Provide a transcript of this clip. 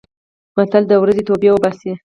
متل: د ورځې توبې اوباسي.